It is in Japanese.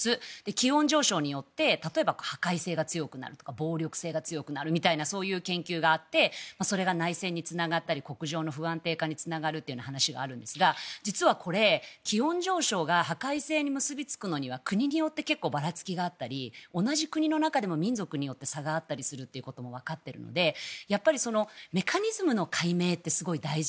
気温上昇によって例えば、破壊性が強くなるとか暴力性が強くなるというそういう研究があってそれが内戦につながったり国情の不安定化につながるという話があるんですが実はこれ、気温上昇が破壊性に結びつくのには国によって結構ばらつきがあったり同じ国の中でも民族によって差があるということもわかっているのでメカニズムの解明ってすごく大事。